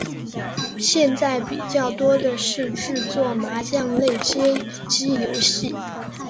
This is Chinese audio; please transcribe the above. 现在比较多的是制作麻将类街机游戏。